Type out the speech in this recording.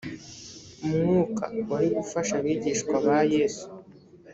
mwuka wari gufasha abigishwa ba yesu